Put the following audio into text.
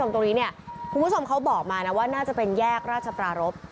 ตรงนี้เนี่ยคุณผู้ชมเขาบอกมานะว่าน่าจะเป็นแยกราชปรารบ